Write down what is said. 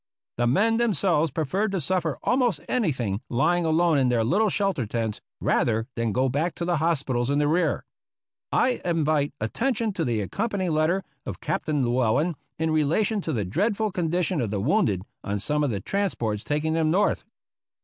The men themselves preferred to suffer almost anything lying alone in their little shelter tents, rather than go back to the hospitals in the rear. I invite attention to the accompanying letter of Captain Llew ellen in relation to the dreadful condition of the wounded on some of the transports taking them North.